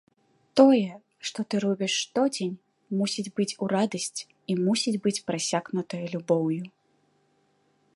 Тое, што ты робіш штодзень, мусіць быць у радасць і мусіць быць прасякнутае любоўю.